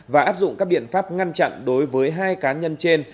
và áp dụng các biện pháp ngăn chặn đối với hai cá nhân trên